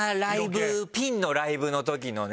ピンのライブの時のね。